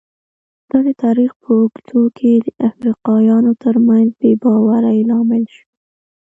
دا د تاریخ په اوږدو کې د افریقایانو ترمنځ بې باورۍ لامل شوي.